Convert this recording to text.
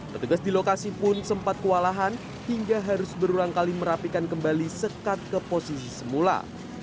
petugas di lokasi pun sempat kewalahan hingga harus berulang kali merapikan kembali sekat ke posisi semula